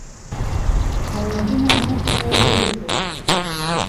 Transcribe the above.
اولادونه مو ښه ورزوی!